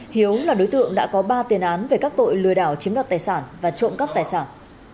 hiếu là đối tượng đã có ba tiền án về các tội lừa đảo chiếm đoạt tài sản và trộm cắp tài sản